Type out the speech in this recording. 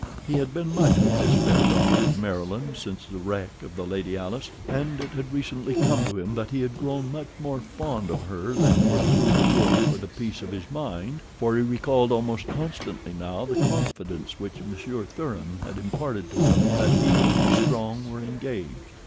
He had been much with this fair daughter of Maryland since the wreck of the Lady Alice, and it had recently come to him that he had grown much more fond of her than would prove good for the peace of his mind, for he recalled almost constantly now the confidence which Monsieur Thuran had imparted to him that he and Miss Strong were engaged.